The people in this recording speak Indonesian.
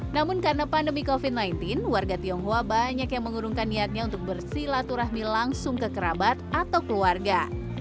namun karena pandemi covid sembilan belas warga tionghoa banyak yang mengurungkan niatnya untuk bersilaturahmi langsung ke kerabat atau keluarga